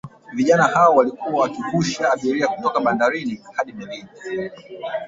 Vijana hao walikuwa wakivusha abiria kutoka bandarini hadi melini